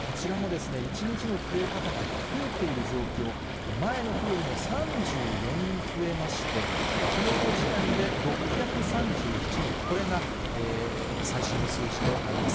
こちらも１日の増え方が増えている状況、前の日よりも３４人増えまして、きのうの時点で６３７人、これが最新の数字となります。